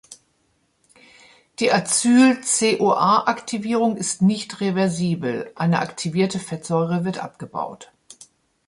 Die Acyl-CoA-Aktivierung ist nicht reversibel: eine aktivierte Fettsäure wird abgebaut.